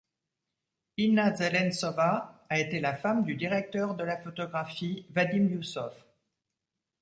Inna Zelentsova a été la femme du directeur de la photographie Vadim Ioussov.